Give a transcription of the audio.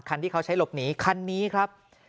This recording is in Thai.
ที่เขาใช้หลบหนีคันนี้ครับ